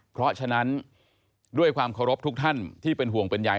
เพราะฉะนั้นด้วยความเคารพทุกท่านที่เป็นห่วงเป็นใย